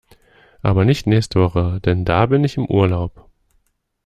Aber nicht nächste Woche, denn da bin ich im Urlaub.